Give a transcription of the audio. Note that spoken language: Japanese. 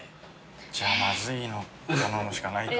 じゃあまずいの頼むしかないか。